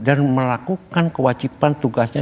dan melakukan kewajiban tugasnya